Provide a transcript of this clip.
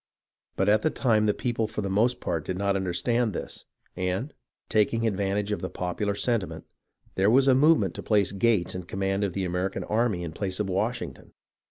But at the time the people for the most part did not understand this, and, taking advantage of the popular sentiment, there was a movement to place Gates in command of the American army in place of Washington.